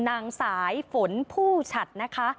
นางสายฝนภูชัฏนะคะ